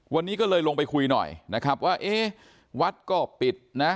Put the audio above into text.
วันนี้ก็เลยลงไปคุยหน่อยนะครับว่าเอ๊ะวัดก็ปิดนะ